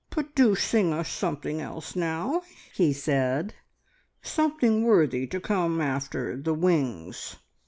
"But do sing us something else now," he said; "something worthy to come after `The Wings.'"